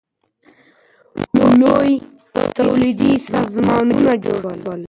لوی تولیدي سازمانونه جوړ سول.